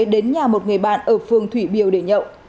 đến nhà một người bạn ở phường thủy biều để nhậu